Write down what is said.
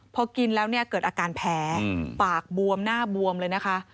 พอกินแล้วเนี่ยเกิดอาการแพ้ปากบวมหน้าบวมเลยนะคะ